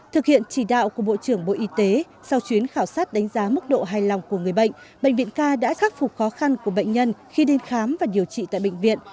thực hiện chỉ đạo của bộ trưởng bộ y tế sau chuyến khảo sát đánh giá mức độ hài lòng của người bệnh bệnh viện k đã khắc phục khó khăn của bệnh nhân khi đến khám và điều trị tại bệnh viện